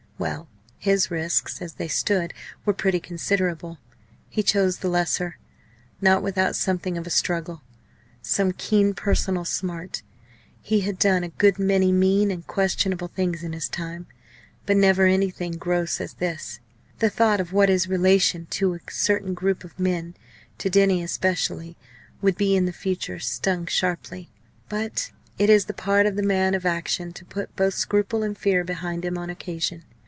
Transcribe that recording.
Well! his risks, as they stood, were pretty considerable. He chose the lesser not without something of a struggle, some keen personal smart. He had done a good many mean and questionable things in his time, but never anything as gross as this. The thought of what his relation to a certain group of men to Denny especially would be in the future, stung sharply. But it is the part of the man of action to put both scruple and fear behind him on occasion.